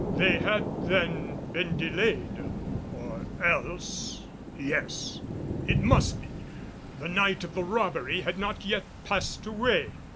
They had then been delayed, or else yes, it must be the night of the robbery had not yet passed away.